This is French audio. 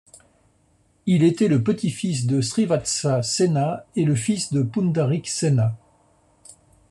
Il était le petit-fils de Srivatsa Sena et le fils de Pundarik Sena.